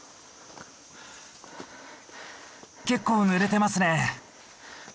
結構ぬれてますね。